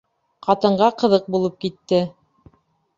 Ҡатынға ҡыҙыҡ булып китте.